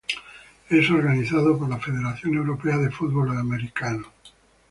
Es organizado por la Federación Europea de Fútbol Americano.